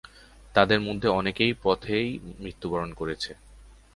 তাদের মধ্যে অনেকে পথেই মৃত্যুবরণ করছে।